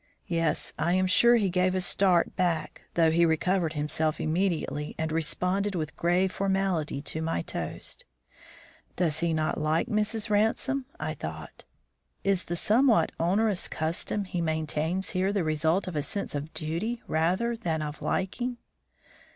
Yes, I am sure he gave a start back, though he recovered himself immediately and responded with grave formality to my toast. "Does he not like Mrs. Ransome?" I thought. "Is the somewhat onerous custom he maintains here the result of a sense of duty rather than of liking?"